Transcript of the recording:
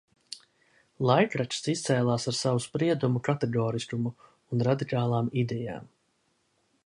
Laikraksts izcēlās ar savu spriedumu kategoriskumu un radikālām idejām.